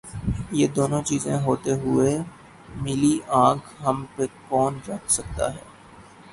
یہ دونوں چیزیں ہوتے ہوئے میلی آنکھ ہم پہ کون رکھ سکتاہے؟